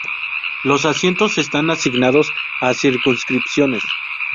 Los asientos están asignados a circunscripciones.